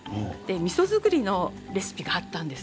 みそ造りのレシピだったんです。